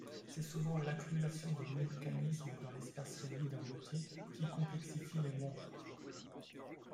C'est souvent l'accumulation de mécanismes dans l'espace réduit d'un boitier qui complexifie les montres.